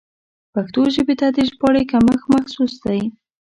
پښتو ژبې ته د ژباړې کمښت محسوس دی.